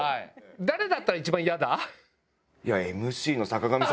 誰だったら一番嫌だ？